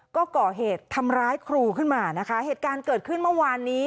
ก็ก่อเหตุทำร้ายครูขึ้นมานะคะเหตุการณ์เกิดขึ้นเมื่อวานนี้